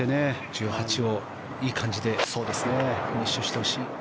１８をいい感じでフィニッシュしてほしい。